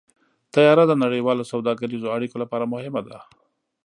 طیاره د نړیوالو سوداګریزو اړیکو لپاره مهمه ده.